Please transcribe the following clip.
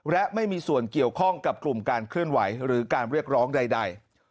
และไม่มีส่วนเกี่ยวข้องกับกลุ่มการเคลื่อนไหวหรือการเรียกร้องใด